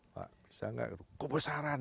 pak bisa nggak kebesaran enam puluh